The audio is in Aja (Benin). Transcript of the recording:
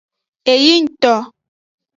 Eyingto.